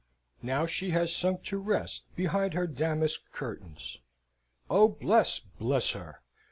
Now she has sunk to rest behind her damask curtains. Oh, bless, bless her!"